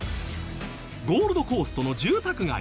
ゴールドコーストの住宅街。